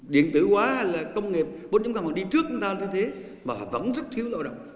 điện tử hóa hay là công nghiệp bốn đi trước chúng ta như thế mà họ vẫn rất thiếu lao động